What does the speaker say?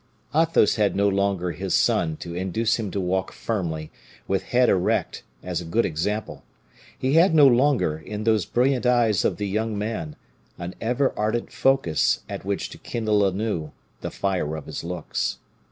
Athos had no longer his son to induce him to walk firmly, with head erect, as a good example; he had no longer, in those brilliant eyes of the young man, an ever ardent focus at which to kindle anew the fire of his looks.